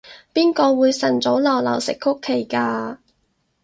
邊個會晨早流流食曲奇㗎？